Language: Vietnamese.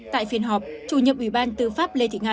tại phiên họp chủ nhiệm ủy ban tư pháp lê thị nga